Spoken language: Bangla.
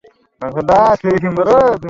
ও স্পটে পৌঁছাবে কখন?